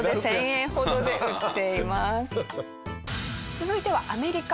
続いてはアメリカ。